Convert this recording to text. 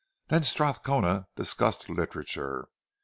Then Strathcona discussed literature.